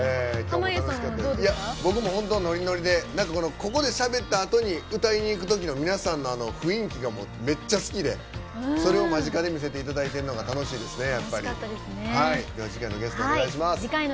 僕も本当ノリノリでここでしゃべったあとに歌いにいくときの皆さんの雰囲気がめっちゃ好きでそれを間近で見せていただいてるのが楽しいですね。